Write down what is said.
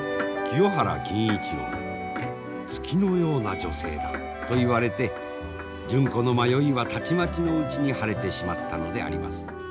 清原欽一郎に月のような女性だと言われて純子の迷いはたちまちのうちに晴れてしまったのであります。